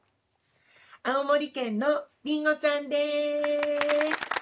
青森県のりんごちゃんです。